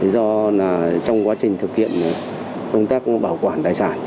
do trong quá trình thực hiện công tác bảo quản tài sản